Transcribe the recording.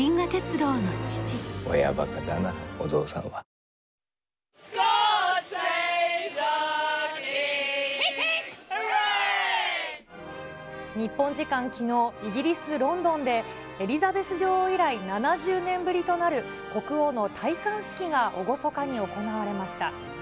日本時間きのう、日本時間きのう、イギリス・ロンドンで、エリザベス女王以来７０年ぶりとなる国王の戴冠式が、厳かに行われました。